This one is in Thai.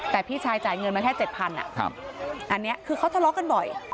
แต่พี่ชายจ่ายเงินมาแค่เจ็ดพันอ่ะครับอันเนี้ยคือเขาทะเลาะกันบ่อย